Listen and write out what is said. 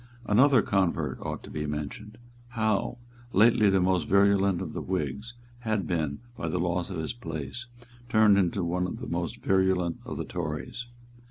Another convert ought to be mentioned. Howe, lately the most virulent of the Whigs, had been, by the loss of his place, turned into one of the most virulent of the Tories.